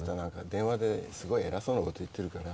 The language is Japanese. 電話ですごい偉そうなこと言ってるから。